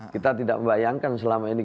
kita tidak membayangkan selama ini